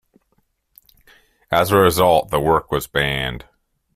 As a result the work was banned.